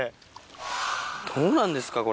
どうなんですかこれ。